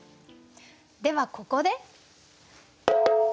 ではここで。